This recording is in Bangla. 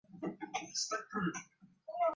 পরে তিনি জাতীয় দলের সাথে যুক্ত হন।